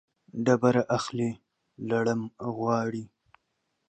ډبره اخلي ، لړم غواړي.